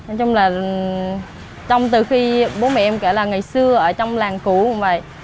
nói chung là trong từ khi bố mẹ em kể là ngày xưa ở trong làng cũ cũng vậy